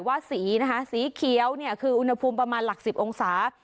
ว่าสีนะคะสีเขียวเนี่ยคืออุณหภูมิประมาณหลัก๑๐องศา